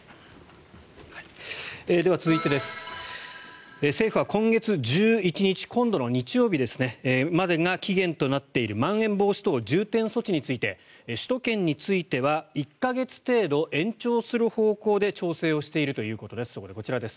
では、続いて政府は今月１１日今度の日曜日までが期限となっているまん延防止等重点措置について首都圏については１か月程度延長する方向で調整をしているということです。